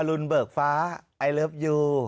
รุนเบิกฟ้าไอเลิฟยู